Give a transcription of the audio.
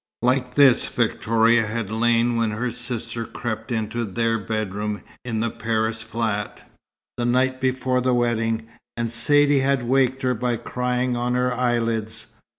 Like this Victoria had lain when her sister crept into their bedroom in the Paris flat, the night before the wedding, and Saidee had waked her by crying on her eyelids.